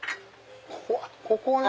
ここね！